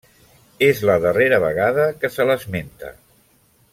És la darrera vegada que se l'esmenta.